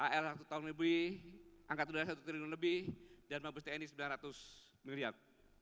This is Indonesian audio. l satu tahun lebih angkat udara satu triliun lebih dan mabes tni sembilan ratus miliar